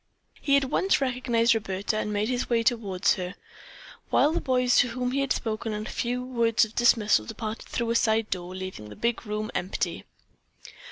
He at once recognized Roberta and made his way toward her, while the boys to whom he had spoken a few words of dismissal departed through a side door, leaving the big room empty.